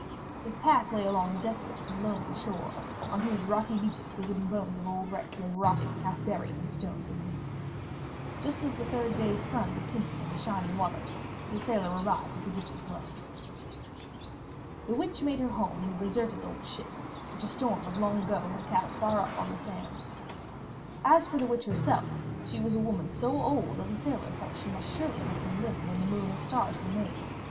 His path lay along a desolate and lonely shore, on whose rocky beaches the wooden bones of old wrecks lay rotting, half buried in stones and weed. Just as the third day's sun was sinking in the shining waters, the sailor arrived at the Witch's dwelling. The Witch made her home in a deserted old ship, which a storm of long ago had cast far up the sands. As for the Witch herself, she was a woman so old that the sailor thought she surely must have been living when the moon and the stars were made.